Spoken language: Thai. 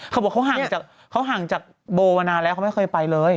เขาบอกเขาห่างจากโบวานาแล้วเขาไม่เคยไปเลย